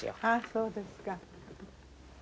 そうですか。